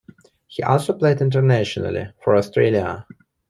He also played internationally for Australia.